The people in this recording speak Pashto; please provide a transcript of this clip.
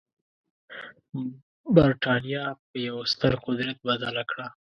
برټانیه یې په یوه ستر قدرت بدله کړه.